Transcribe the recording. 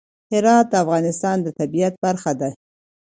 هرات د افغانستان د طبیعت برخه ده.